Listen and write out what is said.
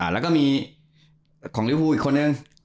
แล้วก็มีของลิฟูอีกคนนึง